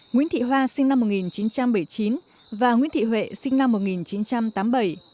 nguyễn thị hoa sinh năm một nghìn chín trăm bảy mươi chín và nguyễn thị huệ sinh năm một nghìn chín trăm tám mươi bảy